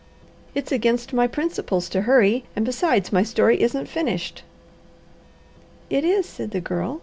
"It's against my principles to hurry, and besides, my story isn't finished." "It is," said the Girl.